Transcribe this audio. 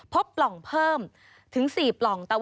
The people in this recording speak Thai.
สวัสดีค่ะสวัสดีค่ะ